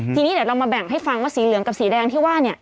ทีนี้เดี๋ยวเรามาแบ่งให้ฟังว่าสีเหลืองกับสีแดงที่ว่า